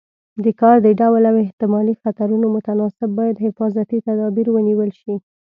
د کار د ډول او احتمالي خطرونو متناسب باید حفاظتي تدابیر ونیول شي.